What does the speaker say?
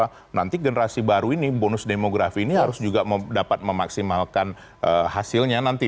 karena nanti generasi baru ini bonus demografi ini harus juga dapat memaksimalkan hasilnya nanti